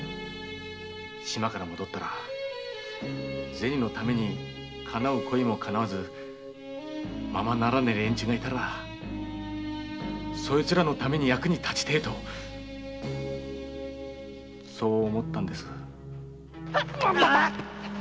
島から戻ったらゼニのために恋もかなわずままならねェ連中がいたらそいつらの役に立ちてえとそう思ったんです。